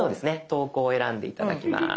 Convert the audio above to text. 投稿を選んで頂きます。